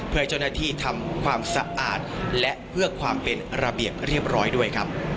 เพื่อให้เจ้าหน้าที่ทำความสะอาดและเพื่อความเป็นระเบียบเรียบร้อยด้วยครับ